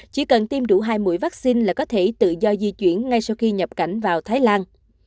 chỉ cần tiêm đủ hai mũi vaccine là có thể tự do di chuyển ngay sau khi nhập cảnh vào thái lan